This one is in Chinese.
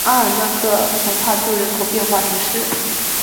阿尔纳克蓬帕杜人口变化图示